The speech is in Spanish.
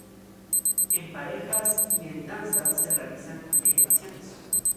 En parejas y en danza se realizan elevaciones.